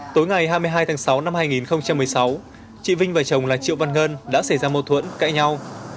tối ngày hai mươi hai tháng sáu năm hai nghìn một mươi sáu chị vinh và chồng là triệu văn ngân đã xảy ra mâu thuẫn cãi nhau